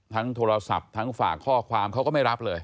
โทรศัพท์ทั้งฝากข้อความเขาก็ไม่รับเลย